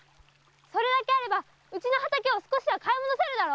それだけあればうちの畑を少しは買い戻せるだろ？